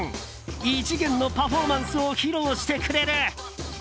異次元のパフォーマンスを披露してくれる。